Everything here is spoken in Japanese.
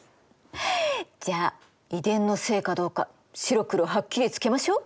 じゃあ遺伝のせいかどうか白黒はっきりつけましょう！